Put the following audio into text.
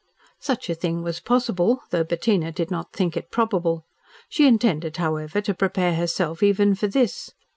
Such a thing was possible, though Bettina did not think it probable. She intended, however, to prepare herself even for this.